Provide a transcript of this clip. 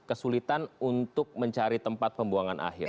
kesulitan untuk mencari tempat pembuangan akhir